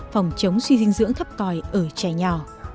phòng chống suy dinh dưỡng thấp còi ở trẻ nhỏ